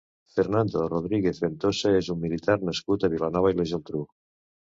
Fernando Rodríguez Ventosa és un militar nascut a Vilanova i la Geltrú.